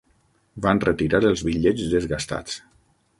Van retirar els bitllets desgastats.